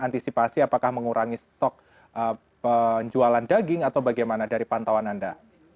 antisipasi apakah mengurangi stok penjualan daging atau bagaimana dari pantauan anda